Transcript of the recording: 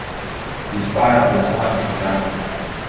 The fire of the sun is dying.